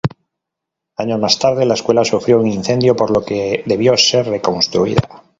Años más tarde la escuela sufrió un incendio por lo que debió ser reconstruida.